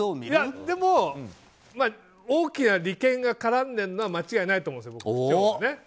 大きな利権が絡んでるのは間違いないと思うんです、僕は。